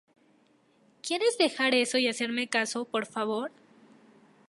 ¿Quieres dejar eso y hacerme caso, por favor?